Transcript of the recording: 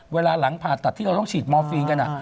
เวลาหลังผ่าตัดที่เราต้องฉีดมอร์ฟิล์นกันอ่ะ